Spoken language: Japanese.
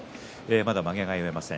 まだまげが結えません